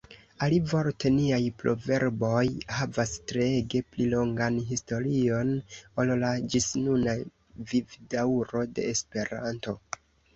Alivorte, niaj proverboj havas treege pli longan historion ol la ĝisnuna vivdaŭro de Esperanto.